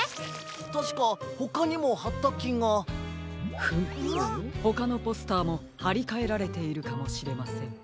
たしかほかにもはったきが。フムほかのポスターもはりかえられているかもしれません。